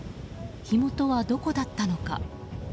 火元はどこだったのか。